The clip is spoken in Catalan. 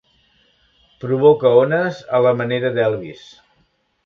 Provoca ones a la manera d'Elvis.